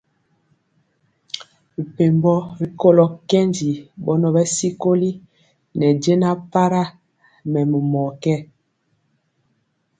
Mɛpembo rikolo kɛndi bɔnɔ bɛ sikoli ne jɛna para mɛmɔ mɔ ké.